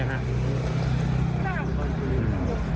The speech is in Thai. ใช่